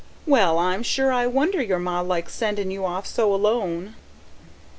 "Well, I'm sure I wonder your ma likes sendin' you off so alone."